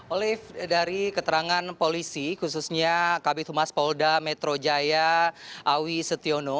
oleh dari keterangan polisi khususnya kabit humas polda metro jaya awi setiono